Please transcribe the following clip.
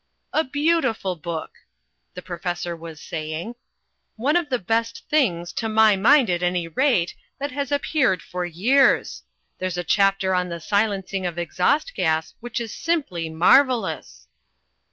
"A beautiful book," the professor was saying. "One of the best things, to my mind at any rate, that has appeared for years. There's a chapter on the silencing of exhaust gas which is simply marvellous."